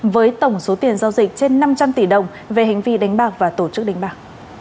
với tổng số tiền giao dịch trên năm trăm linh tỷ đồng về hành vi đánh bạc và tổ chức đánh bạc